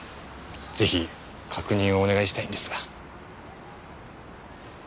ぜひ確認をお願いしたいんですが。